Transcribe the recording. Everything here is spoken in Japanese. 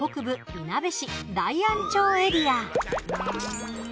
いなべ市大安町エリア。